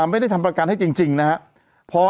ไม่ได้ทำประกันให้จริงนะครับ